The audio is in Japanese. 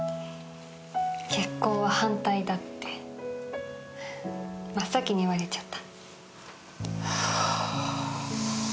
結婚は反対だって真っ先に言われちゃった。